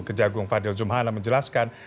kejagung fadil zumhana menjelaskan